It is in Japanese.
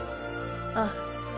ああ。